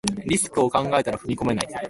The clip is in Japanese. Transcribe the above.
リスクを考えたら踏み込めない